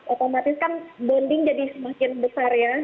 otomatis kan bonding jadi semakin besar ya